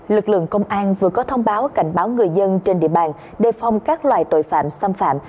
lực lượng công an vừa có thông báo cảnh báo người dân trên địa bàn đề phong các loài tội phạm xâm phạm